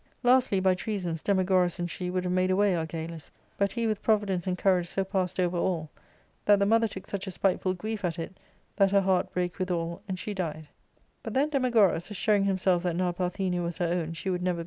Lastly, by treasons Demagoras and she would have made away Argalus ; but he with providence and courage so passed over all that themother. took such a,.spitfifuLgneL^ it that her heart brake withaUiind she died. " But then Demagoras, assuring himself that now Parthenia was her own she would never.